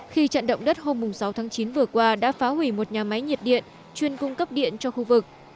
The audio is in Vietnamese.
khi trận động đất hôm sáu tháng chín vừa qua đã phá hủy một nhà máy nhiệt điện chuyên cung cấp điện cho khu vực